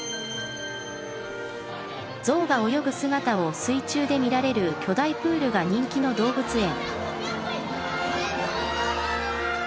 ゾウが泳ぐ姿を水中で見られる巨大プールが人気の動物園。